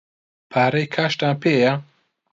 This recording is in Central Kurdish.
پارەی کاشتان پێیە؟